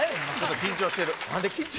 緊張してる。